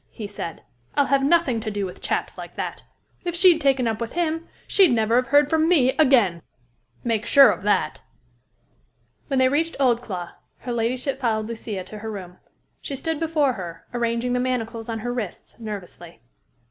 he said. "I'll have nothing to do with chaps like that. If she'd taken up with him, she'd never have heard from me again. Make sure of that." When they reached Oldclough, her ladyship followed Lucia to her room. She stood before her, arranging the manacles on her wrists nervously.